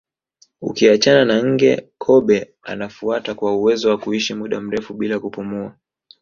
Ukiachana na nge kobe anafuata kwa uwezo wa kuishi muda mrefu bila kupumua